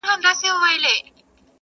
كه كېدل په پاچهي كي يې ظلمونه٫